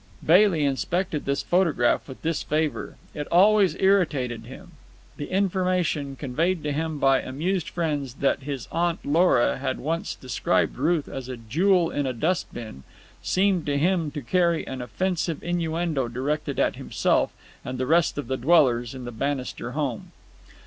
Bailey inspected this photograph with disfavour. It always irritated him. The information, conveyed to him by amused friends, that his Aunt Lora had once described Ruth as a jewel in a dust bin, seemed to him to carry an offensive innuendo directed at himself and the rest of the dwellers in the Bannister home.